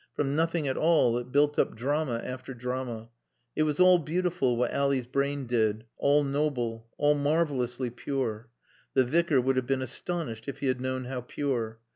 From nothing at all it built up drama after drama. It was all beautiful what Ally's brain did, all noble, all marvelously pure. (The Vicar would have been astonished if he had known how pure.)